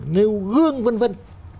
nêu gương vân vân